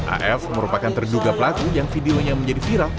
af merupakan terduga pelaku yang videonya menjadi viral